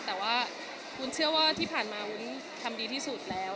แต่ว่าวุ้นเชื่อว่าที่ผ่านมาวุ้นทำดีที่สุดแล้ว